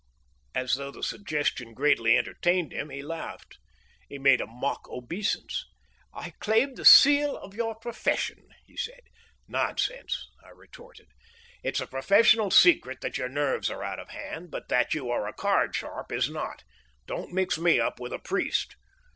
As though the suggestion greatly entertained him, he laughed. He made a mock obeisance. "I claim the seal of your profession," he said. "Nonsense," I retorted. "It's a professional secret that your nerves are out of hand, but that you are a card sharp is not. Don't mix me up with a priest."